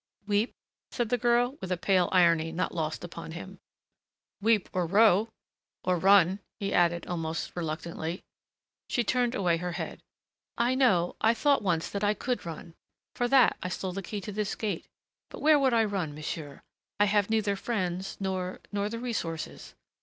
"Weep?" said the girl with a pale irony not lost upon him. "Weep or row. Or run," he added, almost reluctantly. She turned away her head. "I know, I thought once that I could run. For that I stole the key to this gate. But where would I run, monsieur? I have neither friends, nor nor the resources....